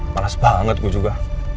males banget gue juga